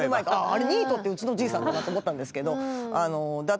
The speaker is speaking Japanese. あれニートってうちのじいさんだなって思ったんですけどだったりとか